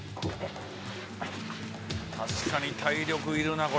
確かに体力いるな。